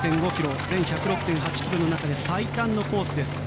全１０６．８ｋｍの中で最短のコースです。